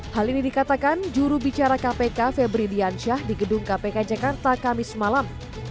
hal ini dikatakan jurubicara kpk febri diansyah di gedung kpk jakarta kamis malam